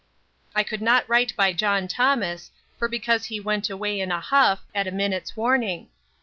I could not rite by John Thomas, for because he went away in a huff, at a minutes' warning.